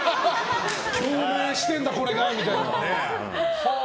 共鳴してるんだこれがみたいなね。